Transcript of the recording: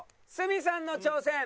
鷲見さんの挑戦。